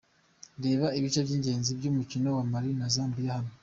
Reba ibice by'ingenzi by'umukino wa Mali na Zambia hano:.